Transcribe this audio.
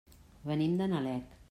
Venim de Nalec.